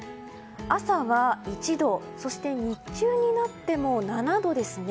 朝は１度、そして日中になっても７度ですね。